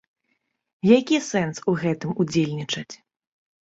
Які сэнс у гэтым удзельнічаць?